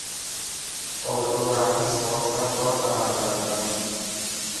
Orzularni sug‘orsam bor alamlardan.